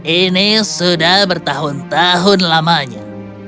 ini sudah bertahun tahun lamanya